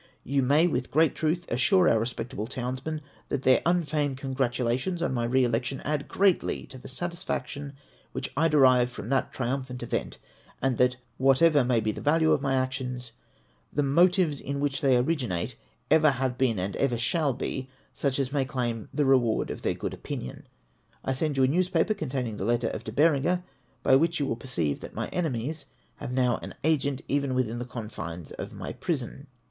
You may, with great truth, assure our respectable townsmen that their un feigned congratulations on my re election add greatly to the satisfaction which I derive from that triumphant event ; and that whatever may be the value of my actions, the motives in which they originate ever have been, and ever shall be, such as may claim the reward of their good opinion. I send you a newspaper containing the letter of De Bereuger, by which you will perceive that my enemies have now an agent even within the confines of my prison.